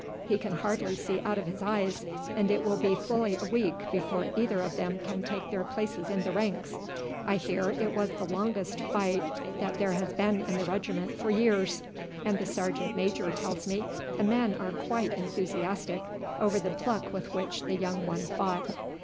He can hardly see out of his eyes, and it will be fully a week before either of them can take their places in the ranks. I hear it was the longest fight that there has been in the regiment for years, and the sergeant major tells me the men are quite enthusiastic over the pluck with which the young one fought.